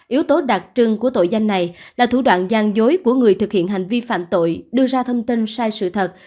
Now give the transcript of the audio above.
yếu tố đặc trưng của tội danh này là thủ đoạn gian dối của người thực hiện hành vi phạm tội đưa ra thông tin sai sự thật